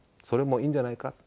それもいいんじゃないか」。